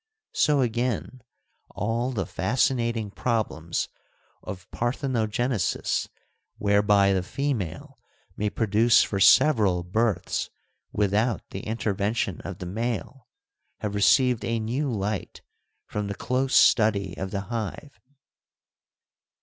So again, all the fascinating problems of parthenogenesis, whereby the female may produce for several births without the intervention of the male, have received a new light from the close study of the hive.